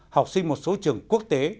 học sinh một số trường quốc tế